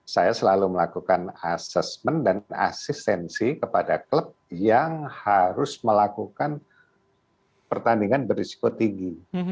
saya selalu melakukan assessment dan asistensi kepada klub yang harus melakukan pertandingan berisiko tinggi